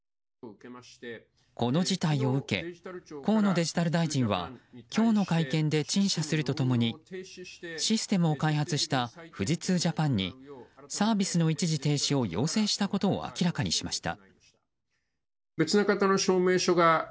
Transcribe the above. この事態を受け河野デジタル大臣は今日の会見で陳謝すると共にシステムを開発した富士通Ｊａｐａｎにサービスの一時停止を要請したことを明らかにしました。